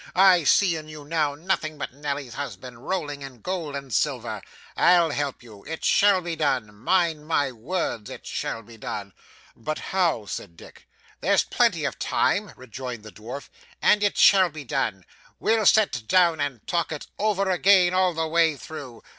I see in you now nothing but Nelly's husband, rolling in gold and silver. I'll help you. It shall be done. Mind my words, it shall be done.' 'But how?' said Dick. 'There's plenty of time,' rejoined the dwarf, 'and it shall be done. We'll sit down and talk it over again all the way through.